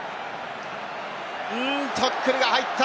タックルが入った。